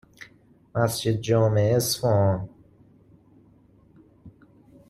مسجد جامع اصفهان